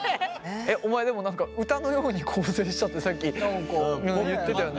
お前でも何か歌のように構成したってさっき言ってたよね。